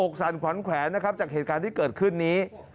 อกสั่นขวัญไขมาจากเหตุการณ์ที่เกิดขึ้นนี้